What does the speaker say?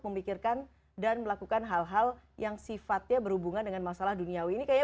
memikirkan dan melakukan hal hal yang sifatnya berhubungan dengan masalah duniawi ini kayaknya